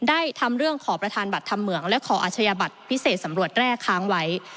ทำเรื่องขอประธานบัตรธรรมเหมืองและขออาชญาบัตรพิเศษสำรวจแร่ค้างไว้